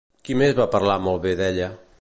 Qui més va parlar molt bé d'ella?